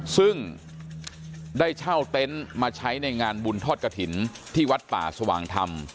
ซึ่งได้เช่าเต็นต์มาใช้ในงานบุญทอดกระถิ่นที่วัดป่าสว่างธรรม